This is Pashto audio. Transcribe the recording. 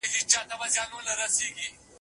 سیلانیان په خپلو خیمو کې ویده شول.